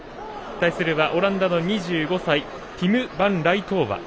対するはオランダの２５歳ティム・バンライトーバ。